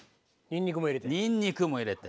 にんにくも入れて。